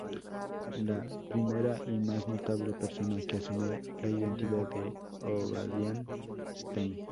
La primera y más notable persona que asume la identidad es Obadiah Stane.